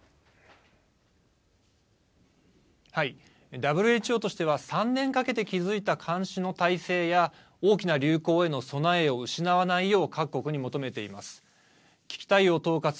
ＷＨＯとしては３年かけて築いた監視の体制や大きな流行への備えを失わないよう各国に求めています。